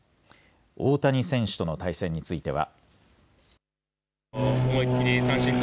大谷選手との対戦については。